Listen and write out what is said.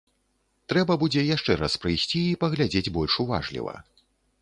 Трэба будзе яшчэ раз прыйсці і паглядзець больш уважліва.